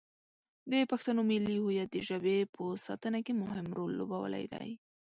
د پښتنو ملي هویت د ژبې په ساتنه کې مهم رول لوبولی دی.